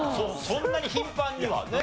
そんなに頻繁にはね。